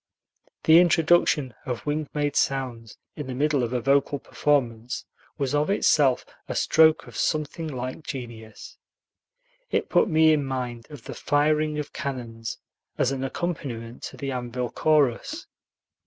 The introduction of wing made sounds in the middle of a vocal performance was of itself a stroke of something like genius. It put me in mind of the firing of cannons as an accompaniment to the Anvil Chorus.